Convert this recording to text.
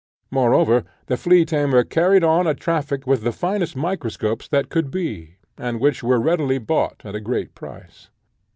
Moreover, the flea tamer carried on a traffic with the finest microscopes that could be, and which were readily bought at a great price.